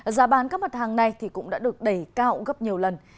giá bán các mặt hàng này cũng đã được đẩy cao gấp nhiều lần